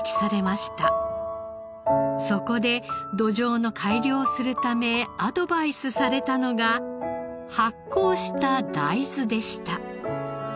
そこで土壌の改良をするためアドバイスされたのが発酵した大豆でした。